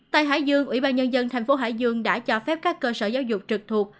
tại hải dương ủy ban nhân dân thành phố hải dương đã cho phép các cơ sở giáo dục trực thuộc